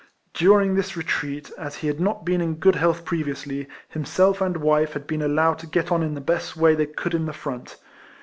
During this retreat^ as he had not been in good health previously, himself and wife had been allowed to get on in the best way they could in the front.